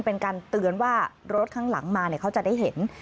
เป็นการเตือนว่ารถข้างหลังมาเขาจะได้เห็น